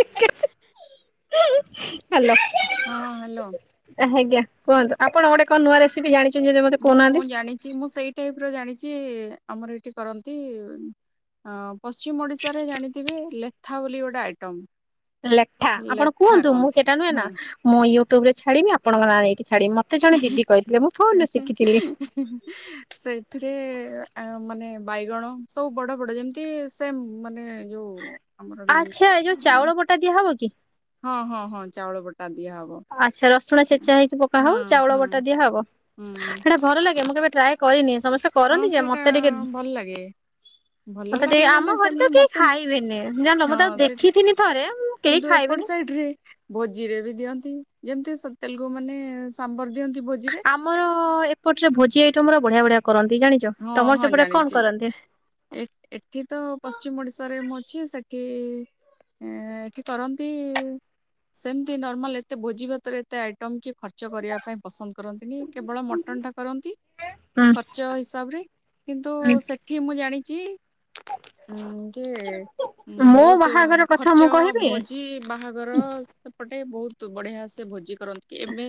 ହି ହି ହଁ ହ୍ୟାଲୋ ହଁ ହ୍ୟାଲୋ ଆଜ୍ଞା କୁହନ୍ତୁ ଆପଣ ଗୋଟେ କଣ ନୂଆ ରେସିପି ଜାଣିଛନ୍ତି ଯଦି ମତେ କହୁନାହାନ୍ତି। ଚି ମୁଁ ସେଇ ଟାଇପ୍ ର ଜାଣିଛି ଆମର ଏଇଠି କରନ୍ତି ହଁ ପଶ୍ଚିମ ଓଡ଼ିଶାରେ ଜାଣିଥିବେ ଲେଥା ବୋଲି ଗୋଟେ ଆଇଟମ୍। ଲେଠା ଆପଣ କୁହନ୍ତୁ ମୁଁ ସେଇଟା ନୁହେ ନା ହୁଁ ମୁଁ ୟୁଟ୍ୟୁବ ରେ ଛାଡିବି ଆପଣଙ୍କ ନାଁ ନେଇକି ଛାଡ଼ିବି ମତ ତେ ଜଣେ ଦିଦି କହିଥିଲେ ମୁଁ ଫୋନରୁ ଶିଖିଥିଲି। ହୁଁ ହୁଁ ସେଥିରେ ଆଁ ମାନେ ବାଇଗଣ ସବୁ ବଡ ବଡ ଯେମିତି ସେମ୍ ମାନେ ଯୋଉ ଆମର ଆଚ୍ଛା ଏଇ ଯୋଉ ଚାଉଳ ବଟା ଦିଆ ହବ କି? ହଁ ହଁ ହଁ ଚାଉଳ ବଟା ଦିଆହବ। ଆଚ୍ଛା ରସୁଣ ଛେଚା ହେଇକି ପକା ହୁଁ ହବ ଚାଉଳ ହୁଁ ବଟା ଦିଆ ହବ। ହୁଁ ହେଡା ଭର ଲାଗେ ମୁଁ କେବେ ଟ୍ରାଏ କରିନି ସମସ୍ତେ ହଁ କରନ୍ତି ଯେ ସେଇଟା ମତେ ଟିକେ ଭଲ ଲାଗେ। ଭଲ ମତେ ଟିକେ ଲାଗେ ମାନେ ଆମ ଘରେ ତ ସେମିତି କେହି ମତେ ଖାଇବେନି ଜାଣିଲ ମୁଁ ହଁ ତାକୁ ସେଇଟା ଦେଖିଥିଲି ଥରେ କେହି କିନ୍ତୁ ଏପଟ ଖାଇବେନି ସାଇଡ ରେ ଭୋଜି ରେ ବି ଦିଅନ୍ତି ଯେମିତି ସେ ତେଲଗୁ ମାନେ ସାମ୍ବର ଦିଅନ୍ତି ଭୋଜିରେ। ଆମର ଏପଟରେ ଭୋଜି ଆଇଟମ ର ବଢିଆ ବଢିଆ କରନ୍ତି, ଜାଣିଚ ହଁ ତମର ହଁ ସେପଟେ ଜାଣିଛି କଣ କରନ୍ତି? ଏ ଏଠି ତ ପଶ୍ଚିମ ଓଡିଶାରେ ମୁଁ ଅଛି ସେଠି ଏ କି କରନ୍ତି ସେମତି ନର୍ମାଲ ଏତେ ଭୋଜି ଭାତରେ ଏତେ ଆଇଟମ କି ଖର୍ଚ୍ଚ କରିବା ପାଇଁ ପସନ୍ଦ କରନ୍ତିନି, କେବଳ ମଟ ମଟନ ଟା କରନ୍ତି। ହଁ। ଚ ହିସାବ ରେ, କିନ୍ତୁ ସେଠି ମୁଁ ଜାଣିଛି ଉଁ ଯେ, ମୋ ବହୁତ ବାହାଘର କଥା ମୁଁ ଖର୍ଚ୍ଚ କହିବି ଭୋଜି ବାହା ର ସେପଟେ ବହୁତ ବଢିଆ ସେ ଭୋଜି କରନ୍ତି, ଏବେ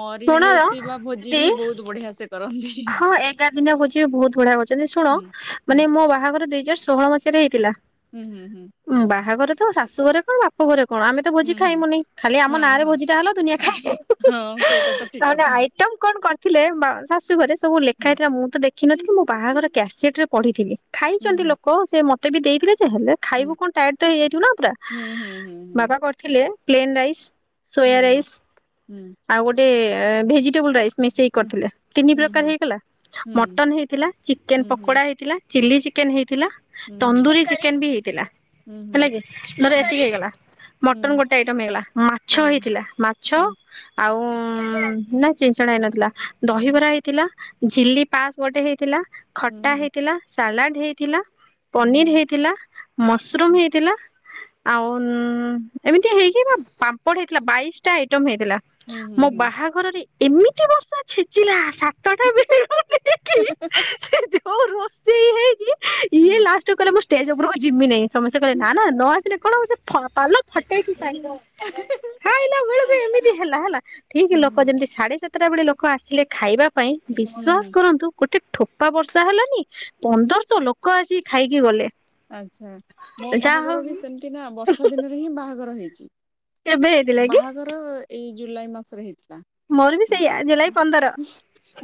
ମରି ଶୁଣ ଯାଇଥିବା ଭୋଜି ଦିଦି ବି ବହୁତ ବଢିଆ ସେ କରନ୍ତି। ହଁ ଏଗାର ଦିନିଆ ଭୋଜି ବି ବହୁତ ବଢିଆ କରୁଛନ୍ତି, ଶୁଣ ହୁଁ ହୁଁ ମାନେ ମୋ ବାହାଘର ଦୁଇ ହଜାର ଷୋହଳ ମସିହାରେ ହେଇଥିଲା। ହୁଁ ହୁଁ। ଉଁ ବାହାଘର ତ ଶାଶୁ ଘରେ କଣ ବା ପୋ ଘରେ କଣ, ଆମେ ତ ଭୋଜି ହୁଁ ହୁଁ ଖାଇମୁନି, ଖାଲି ଆମ ହଁ ନାଁରେ ହଁ ଭୋଜିଟା ହେଲା ଦୁନିଆ ଖାଇ। ହଁ ସେଇଟା ତ ଠିକ ନହେନେ କଥା। ଆଇଟମ କଣ କଣ? ଥିଲେ ଶାଶୁ ଘରେ ସବୁ ଲେଖା ହୁଁ ହେଇଥିଲା, ମୁଁ ତ ଦେଖିନଥିଲି, ମୋ ବାହାଘର କ୍ୟାସେଟ ରେ ପଢ଼ିଥିଲି। ଖାଇଛନ୍ତି ହୁଁ ଲୋକ, ସେ ମତେ ବି ଦେଇଥିଲେ, ଯେ ହେଲେ ହୁଁ ଖାଇବୁ କଣ ଟାୟାଡ୍ ତ ହେଇଯାଇଥିବ ନା ପୁରା। ହୁଁ ହୁଁ ବାବା କରିଥିଲେ ପ୍ଲେନ ରାଇସ୍। ହୁଁ ସୋୟା ହୁଁ ରାଇସ୍ ହୁଁ। ଆଉ ଗୋଟେ ଭେଜିଟେବଲ ରାଇସ୍। ମିଶେଇ ହୁଁ କରିଥିଲେ, ତିନି ହୁଁ ହୁଁ ପ୍ରକାର ହେଇଗଲା, ହୁଁ ମଟନ ହେଇଥିଲା, ଚିକେନ ହୁଁ ହୁଁ ହୁଁ ହୁଁ ହୁଁ ହୁଁ ପକୋଡା ହେଇଥିଲା। ଚିଲି ଚିକେନ ହେଇଥିଲା, ତନ୍ଦୁରୀ ଚିକେନ ବି ହେଇଥିଲା। ହୁଁ ହୁଁ ହେଲା କି ଧର ଏତିକି ହେଇଗଲା, ହୁଁ ହୁଁ ମଟନ ଗୋଟେ ଆଇଟମ ହେଇଗଲା, ମାଛ ହୁଁ ହୁଁ ହୁଁ ହୁଁ ହୁଁ ହେଇଥିଲା। ମା ମାଛ ଆଉ, ନା ଚିଞ୍ଚଣା ହେଇନଥିଲା, ଦହିବରା ହେଇ ଥିଲା, ଝିଲି ପାସ୍ ଗୋଟେ ହେଇଥିଲା, ହୁଁ ହୁଁ ଖଟା ହେଇଥିଲା, ସାଲାଡ ହେଇଥିଲା। ହୁଁ ପନିର ହୁଁ ହେଇଥିଲା, ମସରୁମ୍ ହେଇଥିଲା। ଆଉ ଏମିତିଆ ହେଇକି, ପାମ୍ପଡ଼ ହେଇଥିଲା, ବାଇଶ ଟା ଆଇଟମ ହେଇଥିଲା। ମୋ ବାହାଘରରେ ଏମିତି ବର୍ଷା ଛେଚିଲା, ସାତଟା ବେଳୁ ଯେ [inaudible] ହଉ ରୋଷେଇ ହେଇ ହୁଁ। ଫାଷ୍ଟ ରୁ କହିଲା ମୁଁ ଷ୍ଟେଜ ଉପରକୁ ଯିମିନାଇଁ। ସମସ୍ତେ କହିଲେ ନା ନା ନ ଆସିଲେ କଣ ହେବ, ସେ ପାଲ ଫଟେଇକି [unintelligible] ଖାଇଲା ବେଳକୁ [inaudible] ଏମିତି ହେଲା ହେଲା ଠିକ ହୁଁ ହୁଁ ଲୋକ ଯେମିତି ସାଢେ ସାତଟା ବେଳେ ଲୋକ ଆସିଲେ ଖାଇବା ପାଇଁ ହୁଁ ବିଶ୍ଵାସ କରନ୍ତୁ ଗୋଟେ ଠୋପା ବର୍ଷା ହେଲାନି, ପନ୍ଦରଶହ ଲୋକ ଆସି ଖାଇକି ଗଲେ। ଆଚ୍ଛା ମୋ ଯାହା ବାହାଘର ବି ହଉ ସେମିତି ନା, ବର୍ଷା ଦିନରେ ହିଁ ବାହାଘର ହେଇଚି। କେବେ ହେଇଥିଲା କି ବାହାଘର ଏଇ ଜୁଲାଇ ମାସରେ ହେଇଥିଲା। ମୋର ବି ସେଇଆ, ଜୁଲାଇ ପନ୍ଦର।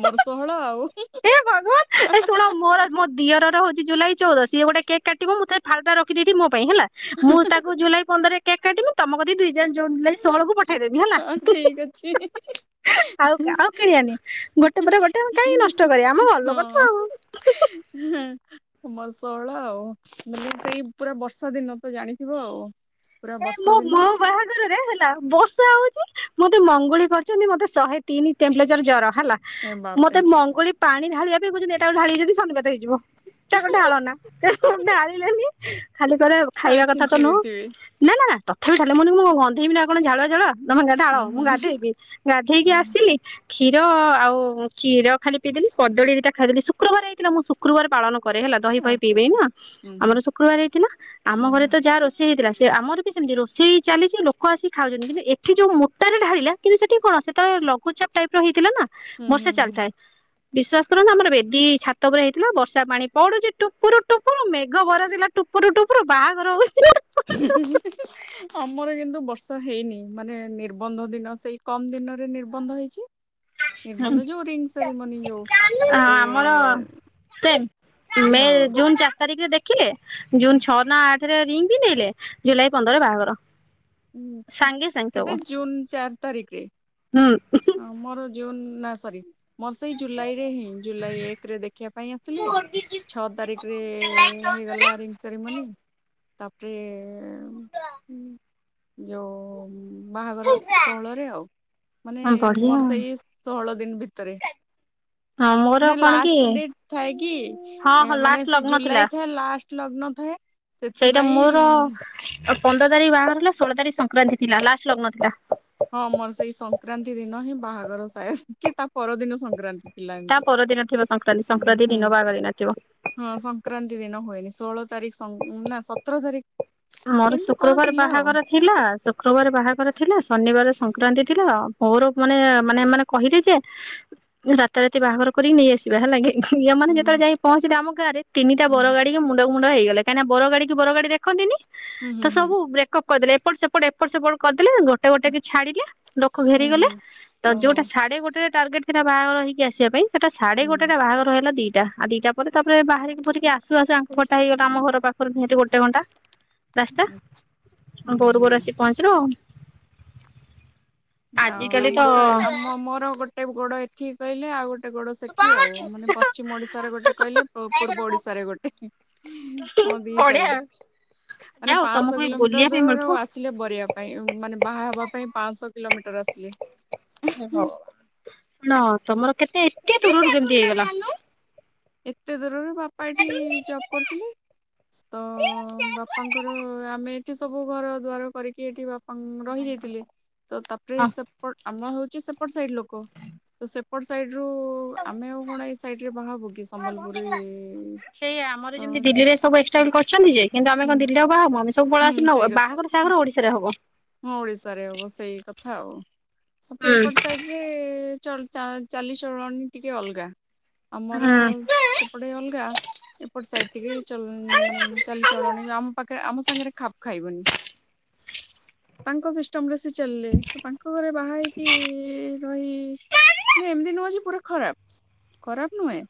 ମୋର ଷୋହଳ ଆଉ ଏ ଭଗବାନ ଏ ଶୁଣ ମୋର ମୋ ଦିଅର ର ହଉଛି ଜୁଲାଇ ଚଉଦ, ସିଏ ଗୋଟେ କେକ୍ କାଟିବ, ମୁଁ ତାର ଫାଳଟା ରଖିଦେଇଥିବି ମୋ ପାଇଁ ହେଲା। ମୁଁ ତାକୁ ଜୁଲାଇ ପନ୍ଦରରେ କେକ୍ କାଟିମି, ତମ କତିକି ଦୁଇ ହଜାର ଜୁନ ଜୁଲାଇ ଷୋହଳକୁ ପଠେଇଦେବି ହେଲା, ହି ହି ହି। ହି ହି ହି ହି। ଆଉ ଆଉ କିଣିବନି। ଗୋଟେ ପରେ ଗୋଟେ ଆଉ କାଇଁକି ନଷ୍ଟ କରିବା, ଆମ ଲୋକ ତ ଆଉ। ହୁଁ। କୁମ ଷୋହଳ ଆଉ, ମେନେ ସେଇ ପୁରା ବର୍ଷା ଦିନ ତ ଜାଣିଥିବ ଆଉ। ପୁରା ଏ ବର୍ଷା ମୋ ଦିନ ମୋ ବାହାଘରରେ ହେଲା ବ ଷା ହଉଚି, ମତେ ମଙ୍ଗୁଳି କରୁଚନ୍ତି, ମତେ ଶହେ ତିନି ଟେମ୍ପରେଚର ଜର ହେଲା। ଏ ବାପରେ ମତେ ମଙ୍ଗୁଳି ପାଣି ଢାଳିବା ପାଇଁ କୋଉଚନ୍ତି ଏଟାକୁ ଢାଳିବି ଯଦି ସନିପାତ ହେଇଯିବ। ତାକୁ ଢାଳନା ସେଠୁ ଢାଳିଲେନି ଖାଲି କହିଲେ ଖାଲି ଖାଇବା କଥା ଛିଞ୍ଚି ତ ନୁହଁ। ଦେଇଥିବେ ନାଁ ନାଁ ନାଁ ତଥାପି ଢାଳିଲେ ମୁଁ ଅନି ମୁଁ କଁ ଗନ୍ଧେଇବି ନା କଣ ଝାଳୁଆ ଝାଳୁଆ। ତମେ ଗା ଢାଳ ହୁଁ ମୁଁ ହୁଁ ଗାଧେଇବି। ଗାଧେଇକି ହୁଁ ଆସିଲି କ୍ଷୀର ଆଉ ଚୀର ଖାଲି ପିଇଦେଲି, କଦଳୀ ଦିଟା ଖାଇଦେଲି, ଶୁକ୍ରବାର ହେଇଥିଲା ମୁଁ ଶୁକ୍ରୁବାର ପାଳନ କରେ ହେଲା ଦହି ଫହି ଆଚ୍ଛା ପିଇହୁଏନି ଆଚ୍ଛା। ନା ହୁଁ ଆମର ହୁଁ ଶୁକ୍ରବାର ହେଇଥିଲା, ଆମ ହୁଁ ଘରେ ହୁଁ। ତ ଯାହା ରୋଷେଇ ହେଇଥିଲା ସେ ଆମର ବି ସେମିତି ରୋଷେଇ ଚାଲିଚି ଲୋକ ଆସିି ଖାଉଚନ୍ତି କିନ୍ତୁ ଏଠି ଯୋଉ ମୋଟାରେ ଢାଳିଲା କିନ୍ତୁ ସେଠି କଣ ସେତଳେ ଲଘୁଚାପ ଟାଇପ୍ ର ହେଇଥିଲା ନାଁ ହୁଁ ହୁଁ ବର୍ଷା ହୁଁ ଚାଲଥାଏ। ବିଶ୍ଵାସ କରନ୍ତୁ ଆମର ବେଦୀ ଛାତ ଓପରେ ହେଇଥିଲା, ବର୍ଷା ପାଣି ପଡ଼ୁଚି ଟୁପୁରୁ ଟୁପୁରୁ, ମେଘ ବରଷିଲା ଟୁପରୁ ଟୁପରୁ ବାହାଘର ହଉ ଆମର କିନ୍ତୁ ବର୍ଷା ହେଇନି ମାନେ ନିର୍ବନ୍ଧ ଦିନ ସେଇ କମ୍ ଦିନରେ ନିର୍ବନ୍ଧ ହେଇଚି। ନିର୍ବନ୍ଧ ଯୋଉ ରିଙ୍ଗ ସେରିମନି ଯୋଉ ହଁ ତାପରେ ଆମର ସେମ୍ ମେ ହଁ ଜୁନ୍ ଚାରି ତାରିକ୍ ରେ ଦେ ଖିଲେ ଜୁନ ଛଅ ନା ଆଠରେ ରିଙ୍ଗ୍ ପିନ୍ଧେଇଲେ ଜୁଲାଇ ପନ୍ଦରରେ ବାହାଘର। ଉଁ ହୁଁ ସାଙ୍ଗେ ସାଙ୍ଗେ କେତେ ସବୁ ଜୁନ୍ ଚାର ତାରିକ୍ ରେ? ହୁଁ। ହଁ ମୋର ଜୁନ୍ ନାଁ ସରି ମୋର ସେଇ ଜୁଲାଇରେ ହିଁ ଜୁଲାଇ ଏକରେ ଦେଖିବା ପାଇଁ ଆସଥିଲେ ଛଅ ତାରି ପ୍ରେ ହେଇଗଲା ରିଙ୍ଗ୍ ସେରମନି। ତାପରେ ଉଁ ଯଉ ବାହାଘର ଷୋହଳରେ ଆଉ। ମାନେ ବଢିଆ ମୋର ସେଇ ଆଉ ଷୋହଳ ଦିନ ଭିତରେ। ହଁ ମୋର ନେ କଣ କି ଲାଷ୍ଟ ଡେଟ୍ ଥାଏ କି ହଁ ହଁ ମାନେ ଲାଷ୍ଟ ସେ ଲଗ୍ନ ଥିଲା ଜୁଲାଇ ଥାଏ ଲାଷ୍ ଲଗ୍ନ ଥାଏ। ସେଇଟା ମୋର ସେଥିପାଇଁ ପନ୍ଦର ତାରିକ୍ ବାହାଘର ହେଲା ଷୋଳ ତାରିଖ ସଂକ୍ରାନ୍ତି ଥିଲା ଲାଷ୍ଟ ଲଗ୍ନ ଥିଲା। ହଁ ମୋର ସେଇ ସଂକ୍ରାନ୍ତି ଦିନ ହିଁ ବାହାଘର ସାଏଦ୍ କି ତା ପରଦିନ ସଂକ୍ରାନ୍ତି। ଥିଲା ତା ଏମିତି। ପରଦିନ ଥିବ ସଂକ୍ରାନ୍ତି ହୁଁ ସଂକ୍ରାନ୍ତି ହୁଁ। ଦିନ ବାହାଘର ହେଇନଥିବ। ହଁ ସଂକ୍ରାନ୍ତି ଦିନ ହୁଏନି ଷୋହଳ ତାରିକ୍ ସଂ ନାଁ ସତର ତାରି ମର ଶୁକ୍ରବାର ବାହାଘର ଥିଲା ଶୁକ୍ରବାର ବାହାଘର ଥିଲା ଶନିବାରେ ସଂକ୍ରାନ୍ତି ଥିଲା ମୋର ମାନେ ମାନେ ମାନେ କହିଲେ ଯେ ରାତାରାତି ବାହାଘର କରିକି ନେଇ ଆସିବା, ହେଲା କି? ଇ ଏମାନେ ହୁଁ ଯେତଳେ ଯାଇ ପହଞ୍ଚିଲେ ଆମ ଗାଁରେ ତିନିଟା ବର ହୁଁ ଗା ଡିକି ମୁଣ୍ଡ ମୁଣ୍ଡ ହେଇଗଲେ କାଇଁ ନା ବର ଗାଡ଼ି କି ବର ଗଡ଼ି ଦେଖନ୍ତିିନି। ହୁଁ ତ ହୁଁ ହୁଁ ସବୁ ବ୍ରେକଅପ୍ କରିଦଲେ ଏପଟ ସେପଟ୍ ଏପଟ୍ ସେପଟ୍ କରଦେଲେ [unintelligible] ଟେ ଓଟେ କି ଛାଡ଼ିଲେ ଲୋକ ହୁଁ ଘେରିଗଲେ ହୁଁ। ତ ଓହୋ। ଯୋଉଟା ସାଢ଼େ ଗୋଟେରେ ଟାର୍ଗେଟ୍ ହେଟା ବାହାଘର ହେଇକି ଆସିବା ପାଇଁ ସେଟା ସାଢ଼େ ଗୋଟେଟା ବାହାଘର ହେଲା ଦିଟା ଆଉ ଦିଟା ବୋଧେ ତାପରେ ବାହାରିକି ଭୁରିକି ଆସୁ ଆସୁ ଆଙ୍କ ଘରଟା ହେଇଗଲା ଆମ ଘର ପାଖୁରୁ ଦିଟା ଗୋଟେ ଘଣ୍ଟା। ରାସ୍ତା ହୁଁ ଭୋରୁ ହୁଁ ଭୋରୁ ଆସି ପହଞ୍ଚିଲୁ ଆଉ। ଆଉ ଆମର ତ ଆମ ମୋର ଗୋଟେ ଗୋଡ଼ ଏଠି କହିଲେ ଆଉ ଓ ଟେ ଗୋଡ଼ ସେଠି ଆଉ ମାନେ ପଶ୍ଚିମ ଓଡ଼ିଶାରେ ଗୋଟେ କହିଲେ ପୂ ପୂର୍ବ ଓଡ଼ିଶାରେ ଗୋଟେ। ମୋ ଦି ବଢିଆ ସାଇଡ଼୍ ମାନେ ଯାଉ ପାଂଶ ତମକୁ ବି ବୁଲିବା କିଲୋମିଟର୍ ପାଇଁ ଦେଅର ମିଳୁଥିବ। ଆସିଲେ ବରିଆ। ପାଇଁ ଆଉ ମାନେ ବାହା ହବା ପାଇଁ ପାଂଶ କିଲୋମିଟର୍ ଆସିଲେ। ହେ ଭଗବାନ କଣ ତମର କେତେ ଏତେ ଦୂରରୁ କେମତି ହେଇଗଲା? ଏତେ ଦୂରରୁ ବାପା ଏଠି ଜବ୍ କରୁଥିଲେ ତ ବାପାଙ୍କର ଆମେ ଏଠି ସବୁ ଘର ଦ୍ୱାର କରିକି ଏଠି ବାପା ରହି ଯାଇଥିଲେ ତ ତାପରେ ହଁ ସେପ ଆମର ହୋଉଚି ସେପଟ ସାଇଡ୍ ଲୋକ ତ ସେପଟ ସାଇଡ୍ ରୁ ଆମେ ଆଉ କଣ ଏଇ ସାଇଡରେ ବନେଇବୁ କି ସମ୍ବଲପୁରି ସେଇଆ ଆମର ଯେମିତି ଦିଲ୍ଲୀରେ ସବୁ ଏକ୍ସଷ୍ଟାଇଲି କରିଚନ୍ତି ଯେ କିନ୍ତୁ ଆମ ହୁଁ କଣ ଦିଲ୍ଲୀରେ ଆଉ ବାହା ହୋମୁ। ଆମେ ସବୁ ପଳେଇ ହୁଁ ଆସିଲୁ ସେଇ ଆଉ କଥା ବାହାଘର ତାଙ୍କର ଓଡିଶାରେ ହବ। ହଁ ଓଡିଶାରେ ହବ ସେଇ କଥା ଆଉ। ସତେ ଏପଟ ସାଇଟ ଯେ ଚ-ଚା-ଚାଲିଚଳଣି ଟିକେ ଅଲଗା ଆମର। ହୁଁ ସେପଟେ ଅ ଲଗା ସେପଟ ସାଇଡ୍ ଟିକେ ଚଲ୍ ମାନେ ଚାଲି ଚଳଣି ଆମ ପାଖେ ଆମ ସାଙ୍ଗରେ ଖାପ୍ ଖାଇବନି। ତାଙ୍କ ସିଷ୍ଟମରେ ସିଏ ଚାଲିଲେ ତ ତାଙ୍କ ଘରେ ବାହା ହେଇକି ରହି ନା ଏମିତି ନୁହଁ ଯେ ପୁରା ଖରାପ। ଖରାପ ନୁହେଁ।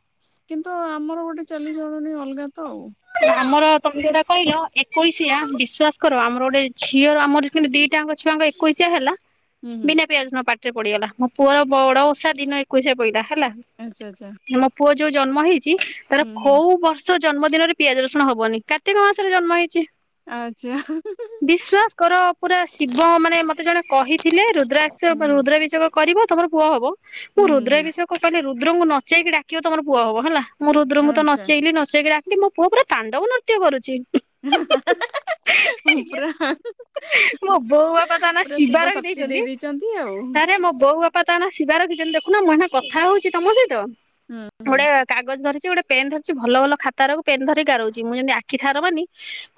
କିନ୍ତୁ ଆମର ଗୋଟେ ଚାଲିଚଳନି ଅଲଗା ତ ଆଉ। ଆମର ତମେ ଯୋଉଟା କହିଲ ଏକୋଇଶିଆ ବିଶ୍ବାସ କର ଆମର ଗୋଟେ ଝିଅର ଆମର ହେଲେ ଦିଇଟାଙ୍କ ଛୁଆଙ୍କ ଏକୋଇଶିଆ ହେଲା। ହୁଁ ହୁଁ ବିନା ପିଆଜ ରସୁଣ ପାଟିରେ ପଡିଗଲା। ମୋ ପୁଅର ବଡ ଓଷା ଦିନ ଏକୋଇଶିଆ ପ‌ଇଲା ହେଲା। ଆଚ୍ଛା ଆଚ୍ଛା। ମେ ପୁଅ ଯୋଉ ଜନ୍ମ ହେଇଚି ତାର ହୁଁ ହୁଁ କୋଉ ବର୍ଷ ଜନ୍ମ ଦିନରେ ପିଆଜ ରସୁଣ ହବନି କାର୍ତ୍ତିକ ମାସରେ ଜନ୍ମ ହେଇଚି। ଆଚା। [unintelligible] ବିଶ୍ଵାସ କର ପୁରା ଶିବ ମାନେ ମତେ ଜଣେ କହିଥିଲେ ହୁଁ ରୁଦ୍ରାକ୍ଷ ହୁଁ ରୁଦ୍ରାଭିଷେକ କରିବ ତମର ପୁଅ ହବ। ମୁଁ ହୁଁ ହୁଁ ହୁଁ ରୁଦ୍ରାଭିଷେକ କଲି ରୁଦ୍ରଙ୍କୁ ନଚେଇକି ଡାକିବ ତମ ପୁଅ ହବ ହେଲା। ମୁଁ ରୁଦ୍ରଙ୍କୁ ତ ଆଚ୍ଛା ନଚେଇଲିି ନଚେଇକି ଡାକିଲି। ମୋ ପୁଅ ପୁରା ତାଣ୍ଡବ ନୃତ୍ୟ କରୁଚି। [unintelligible] ପୁରା ମୋ ବୋଉ ବାପା ତା ନା ପୁରା ଶିବା ଶିବ ଶକ୍ତି ଦେଇ ରଖିଦେଇଚନ୍ତି। ଦେଇେଇଛନ୍ତି ଆଉ ତାରେ ମୋ ବୋଉ ବାପା ତା ନାଁ ଶିବ ରଖିଚନ୍ତି। ଦେଖୁନ ମୁଁ ଏଇନା କଥା ହୋଉଚି ତମ ସହିତ ହୁଁ ହୁଁ ଗୋଟେ କାଗଜ ଧରିଚି ଗୋଟେ ପେନ୍ ଧରିଚି ଭଲ ଭଲ ଖାତ ଓରକୁ ପେନ୍ ଧିରିକି ଗାରୋଊଚି। ମୁଁ ଯେମିତି ଆଖି ଠାର ମାରିନି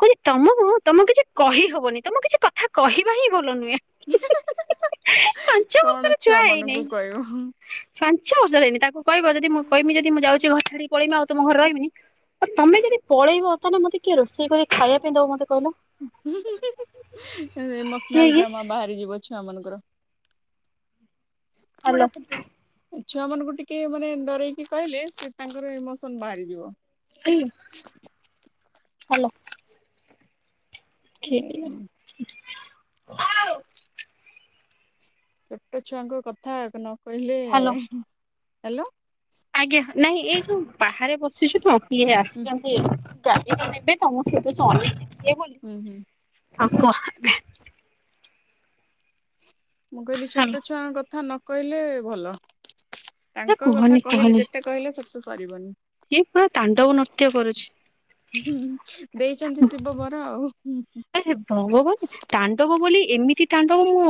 କୋହଚି ତମକୁ ତମକୁ କିଛି କହିହବନି ତମକୁ କିଛି କଥା କହିବା ହିଁ ଭଲ ନୁହେଁ। [unintelligible] ପାଞ୍ଚ ବର୍ଷର କଣ ଛୁଆ ହେଇନି। ଛୁଆମାନଙ୍କୁ କହିବ ହୁଁ। ପାଞ୍ଚ ବର୍ଷର ହେଇନି ତାକୁ କହିବ ଯଦି ମୁଁ କିହିମି ଯଦି ମୁଁ ଯାଉଚି ଘର ଛାଡି ପଳେଇମି ଆଉ ତମ ଘରେ ରହିବିନି। ତମେ ଯଦି ପଳେଇବ ତାହେଲେ ମତେ କିଏ ରୋଷେଇ କରି ଖାଇବା ପାଇଁ ଦବ ମତେ କହିଲ। [unintelligible] ଇମୋସନାଲ ଡ୍ରାମା ବାହାରି ଯିବ ଛୁଆ ମାନଙ୍କର। ହାଲୋ। ଛୁଆ ମାନଙ୍କୁ ଟିକିଏ ମାନେ ଡରେଇକି କହିଲେ ସେ ତାଙ୍କର ଇମୋସନ ବାହାରିଯିବ। ହୁଁ ହାଲୋ। [unintelligible] ଛୋଟ ଛୁଆଙ୍କ କଥା ନ କହିଲେ ହାଲୋ। [unintelligible] ହାଲୋ। ଆଜ୍ଞା ନାଇଁ ଏଇ ଯୋଉ ବାହାରେ ବସିଚୁ ତ କିଏ ହୁଁ ଆସିଚନ୍ତି। କିଏ ଆସିବେ ନେବେ ତ ମୁଁ ସେଥିପାଇଁ ସେ ଅନେଇଚି [unintelligible] [inaudible] ଉଁ ହୁଁ। ଆଉ କହ ମୁଁ କହିଲି ହାଲୋ ଛୋଟ ଛୁଆଙ୍କ କଥା ନ କହିଲେ ଭଲ ତାଙ୍କ କୁହନି କଥା କହିଲି କୁହନି ଯେତେ କହିଲ ସେତେ ସରୀବନି ସିଏ ପୁରା ତାଣ୍ଡବ ନୃତ୍ୟ କରୁଛି। ହୁଁ ଦେଇଛନ୍ତି ଶିବ ବର ଆଉ ଭଙ୍ଗବନ ତାଣ୍ଡବ ବୋଲି ଏମିତି ତାଣ୍ଡବ ମୁଁ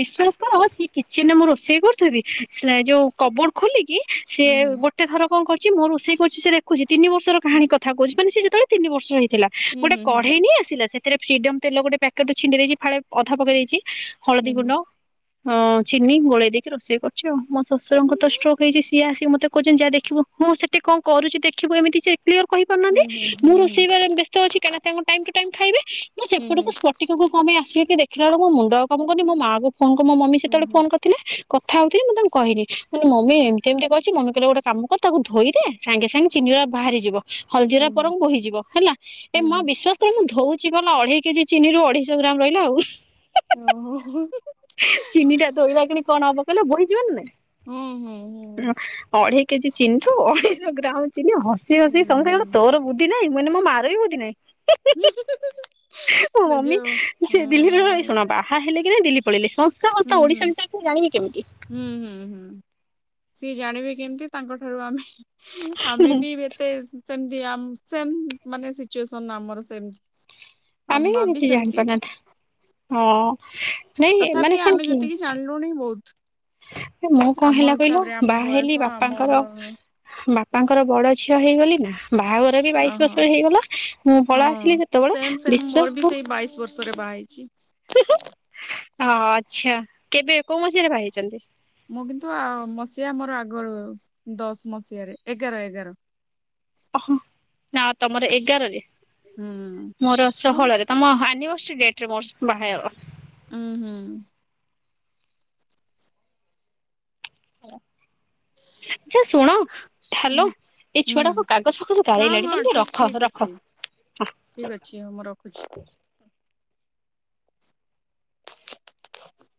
ବିଶ୍ଵାସ କର ସେ କିଚେନରେ ମୁଁ ରୋଷେଇ କରୁଥିବି ସେ ଯୋଉ କବୋର୍ଡ ଖୋଲିକି ସେ ହୁଁ ଗୋଟାଏ ଥର କଣ୍ କରୁଛି ମୋ ରୋଷେଇ କରୁଛି ସେ ଦେଖୁଛି ତିନି ବର୍ଷର କାହାଣୀକଥା କହୁଛି ମାନେ ସେ ଯେତେବେଳେ ତିନି ବର୍ଷର ହେଇଥିଲା ଗୋଟେ ହୁଁ ହୁଁ କଢେଇ ନେଇ ଆସିଲା ସେ ଏରେ ଫିଡମ ତେଲ ଗୋଟାଏ ପ୍ୟାକେଟ ରୁ ଛିଣ୍ଡେଇ ଦେଇଛି ଫାଳେ ଅଧା ପକେଇ ଦେଇଛି ହୁଁ ହଳଦୀ ଗୁଣ୍ଡ ହଁ ଚିନି ଗୋଳେଇ ଦେଇକି ରୋଷେଇ କରୁଛି ଆଉ ମୋ ଶଶୁରତ ଷ୍ଟ୍ରୋକ୍ ହେଇଛି ସିଏ ଆସିକି ମତେ କହୁଛନ୍ତି ଯାହା ଦେଖିବୁ ହଁ ସେ ସେ କଣ୍ କରୁଛି ଦେଖିବୁ ଏମିତି ସେ କ୍ଲିଅର କହିପରୁନାହାନ୍ତି ହୁଁ ହୁଁ ହୁଁ ମୁଁ ରୋଷେଇ ବ୍ୟସ୍ତ ଅଛି କା ତାଙ୍କ ଟାଇମ ଟୁ ଟାଇମ ଖାଇବେ ମୁଁ ହୁଁ ସେପଟ ହୁଁ କୁ ପଟିକ କମ୍ ଆସିକି ଦେଖିଲ ବେଳକୁ ମୁଣ୍ଡ ଆଉ କାମ କରୁନି ମୋ ମା କୁ ଫୋନ୍ ମମି ସେତବେଳେ ଫୋନ୍ କରି ଥିଲେ କଥା ହଉଥିଲି ମୁଁ ତାଙ୍କୁ କହିଲି ମାନେ ମମି ଏମିତି ଏମିତି କରିଛି ମମି କହିଲେ ଗୋଟାଏ କାମ କର ତାକୁ ଧୋଇଦେ ସାଙ୍ଗେ ସାଙ୍ଗେ ଚିନି ବାହାରି ଯିବ ହୁଁ ହୁଁ ହୁଁ ହୁଁ ହୁଁ ହୁଁ ହଳଦୀର ହୁଁ ପର ବୋହିଯିବ ହେଲା ଏ ହୁଁ ମ ହୁଁ ବିସ୍ୱସକର ମୁଁ ଧଉ କି ଗଲା ଅଢେଇ କେଜି ଚିନି ରୁ ଅଢେଇଶହ ଗ୍ରାମ ରହିଲା ଆଉ ଓହୋ ହୁଁ ହୁ ଚିନି ଟା ଧୋଇଲା କିଣି କଣ୍ ହବ କହିଲେ ବୋହି ଯିବାନା ହୁଁ ହୁଁ ନାଇ ଅଢେଇ କେଜି ଚିନି ଠୁ ଅଢେଇଶହ ଗ୍ରାମ ଚିନି ହ ହସି ହୁଁ ହସି ସ କଣ୍ ତୋର ବୁଦ୍ଧି ନାହିଁ ମାନେ ମୋ ମାର ବି ବୁଦ୍ଧି ନାହିଁ ହୀ ହି ହୁଁ ହି ମୋ ମମି ଯୋଉ ସେ ହୁଁ ଦିଲ୍ଲୀ ରହେ ଶୁଣବା ବାହା ହେଲେ କି ନାହିଁ ଦିଲ୍ଲୀ ପଳେଇଲେ ହୁଁ ସଂଶଗତ ହୁଁ ଓଡ଼ିଶା ବିଷୟରେ ଜାଣିବେ କେମିତି। ହୁଁ ହୁଁ ହୁଁ ସିଏ ଜାଣିବେ କେମିତି ତାଙ୍କ ଠାରୁ ଆମେ ଆମେ ବି ଏତେ ସେମ ସେ ମାନେ ସିଚୁଏସନ ଆମର ସେମ ଆ ଆମେ ହିଁ ମା ବି କିଛି ସେମତି ଜାଣିପାରୁନାହାନ୍ତି ହଁ ନାଇ ମାନେ କଣ କି। ଲୁଣି ବହୁତ। ମୁଁ କଣ ଆମ ହେଲା କହିଲ ହିସାବରେ ଆମ ବାହା ବୟସ ହେଲି ଆମର ବାପାଙ୍କର ବାପାଙ୍କର ବଡ ଝିଅ ହେଇଗଲି ନା। ବାହାଘର ବି ବାଇଶି ଓହୋ ବର୍ଷ ହେଇଗଲା ମୁଁ ପଳ ଆସିଲି ହଁ ସେତେବେଳେ ସେମ୍ ସେମ୍ ମୋର ବିଶ୍ଵାସ ବି କର ସେଇ ବାଇଶି ବର୍ଷରେ ବାହା ହେଇଛି। ହଁ ଆଚ୍ଛା କେବେ କୋଉ ମସିିହାରେ ବାହା ହେଇଛନ୍ତି। ମୁଁ କିନ୍ତୁ ଆ ମସିହା ମୋର ଆଗରୁ ଦଶ ମସିହାରେ ଏଗାର ଏଗାର ଓହ ନା ତମର ଏଗାରରେ ହୁଁ। ମୋର ମୁଁ ଷୋହଳରେ ତମ ଆନିଭର୍ସରୀ ଡେଟ୍ରରେ ମୋର ବାହା ହେଲ ଉଁ ହୁଁ ଆଛା ଶୁଣ ହ୍ୟାଲୋ ହୁଁ ଏଛୁଆଟା ହୁଁ କଣ କାଗଜ ଫାଗଜ ହଁ ଗାରେଇଲାଣି ହଁ ତମେ ଟିକିଏ ଠିକ ରଖ ଅଛି। ରଖ ଠିକ ଅଛି ଆଉ ମୁଁ ରଖୁଛି। [inaudible]